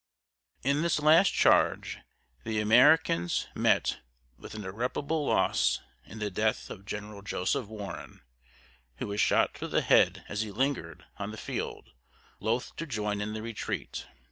In this last charge, the Americans met with an irreparable loss in the death of General Joseph Warren, who was shot through the head as he lingered on the field, loath to join in the retreat.